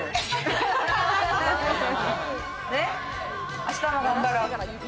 明日も頑張ろう！